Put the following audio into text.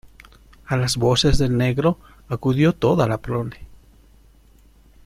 a las voces del negro acudió toda la prole.